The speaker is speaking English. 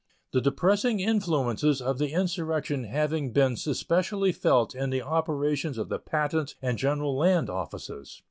The depressing influences of the insurrection have been specially felt in the operations of the Patent and General Land Offices.